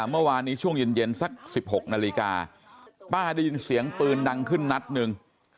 เมื่อวานนี้ช่วงเย็นสัก๑๖นาฬิกาป้าได้ยินเสียงปืนดังขึ้นนัดหนึ่ง